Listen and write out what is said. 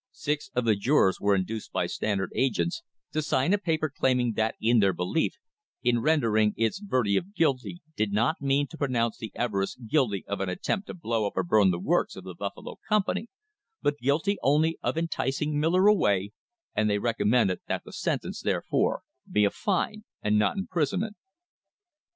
Six of the jurors were induced by Standard agents to sign a paper claiming that in their belief the jury in render ing its verdict of guilty did not mean to pronounce the Everests guilty of an attempt to blow up or burn the works of the Buffalo company, but guilty only of enticing Miller away, and THE HISTORY OF THE STANDARD OIL COMPANY they recommended that the sentence, therefore, be a fine and not imprisonment.